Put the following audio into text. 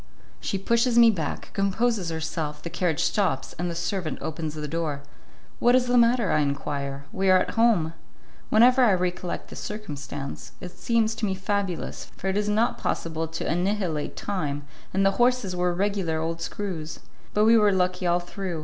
She pushes me back, composes herself, the carriage stops, and the servant opens the door. "What is the matter?" I enquire. "We are at home." Whenever I recollect the circumstance, it seems to me fabulous, for it is not possible to annihilate time, and the horses were regular old screws. But we were lucky all through.